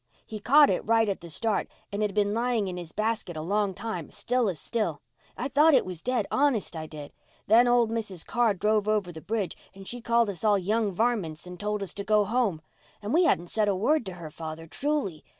He caught it right at the start and it had been lying in his basket a long time, still as still. I thought it was dead, honest I did. Then old Mrs. Carr drove over the bridge and she called us all young varmints and told us to go home. And we hadn't said a word to her, father, truly.